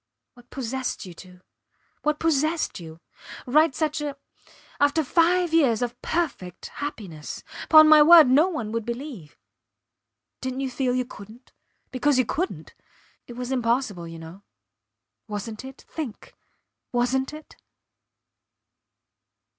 What possessed you to? ... What possessed you? ... Write such a ... After five years of perfect happiness! Pon my word, no one would believe. ... Didnt you feel you couldnt? Because you couldnt ... it was impossible you know. Wasnt it? Think. Wasnt it?